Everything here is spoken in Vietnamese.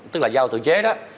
tức là dao tự chế đó